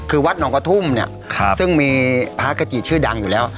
คือวัดหนองกระทุ่มเนี่ยซึ่งมีพระกจิชื่อดังอยู่แล้ว